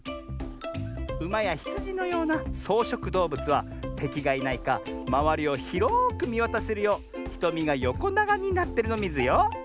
ウマやヒツジのようなそうしょくどうぶつはてきがいないかまわりをひろくみわたせるようひとみがよこながになってるのミズよ。